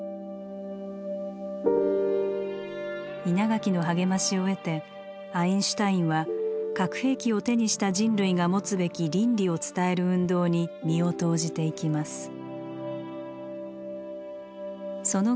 稲垣の励ましを得てアインシュタインは核兵器を手にした人類が持つべき「倫理」を伝える運動に身を投じていきます。